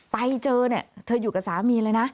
ไปเจอเนี่ยเธออยู่กับสามีเลยนะ